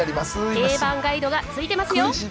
定番ガイドがついてますよ。